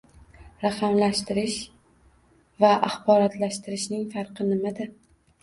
Raqamlashtirish va axborotlashtirishning farqi nimada?